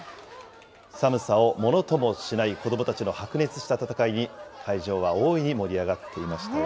寒さをものともしない子どもたちの白熱した戦いに、会場は大いに盛り上がっていましたよ。